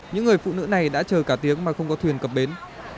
những người phụ nữ này đã chờ cả tiếng mà không có thuyền cập bến